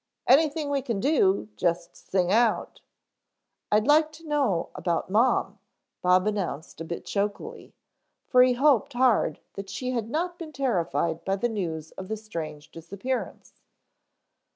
"Anything we can do, just sing out " "I'd like to know about Mom," Bob announced a bit chokily, for he hoped hard that she had not been terrified by the news of the strange disappearance.